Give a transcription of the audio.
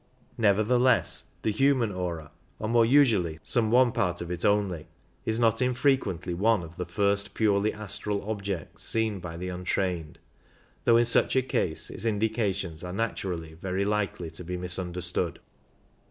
Nevertheless the human aura, or more usually some one part of it only, is not in frequently one of the first purely astral objects seen by the untrained, though in such a case its indications are naturally very likely to be misunderstood.